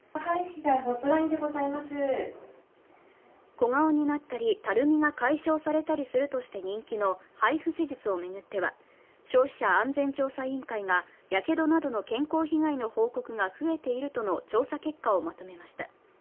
小顔になったり、たるみが解消されたりするとして人気のＨＩＦＵ説明術を巡っては、消費者安全調査委員会がやけどなどの健康被害の報告が増えているとの調査結果をまとめました。